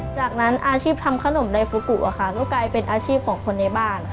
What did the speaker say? จากนั้นอาชีพทำขนมไดฟูกุค่ะก็กลายเป็นอาชีพของคนในบ้านค่ะ